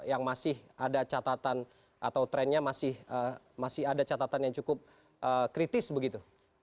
yang masih ada catatan atau trennya masih ada catatan yang cukup kritis begitu